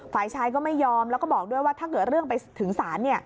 ฝ่ายชายก็ไม่ยอมแล้วก็บอกด้วยว่าถ้าเกิดเรื่องไปถึงศาล